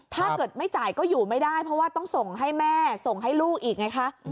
ถ้าเกิดไม่จ่ายก็อยู่ไม่ได้เพราะว่าต้องส่งให้แม่ส่งให้ลูกอีกไงคะ